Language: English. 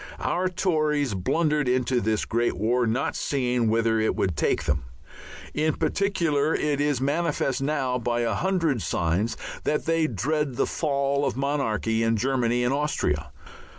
Our Tories blundered into this great war, not seeing whither it would take them. In particular it is manifest now by a hundred signs that they dread the fall of monarchy in Germany and Austria.